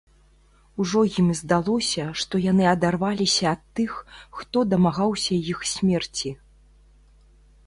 Ужо ім здалося, што яны адарваліся ад тых, хто дамагаўся іх смерці.